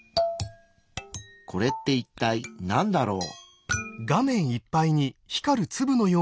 これって一体なんだろう？